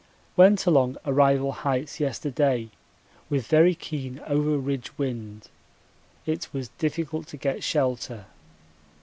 Went along Arrival Heights yesterday with very keen over ridge wind it was difficult to get shelter.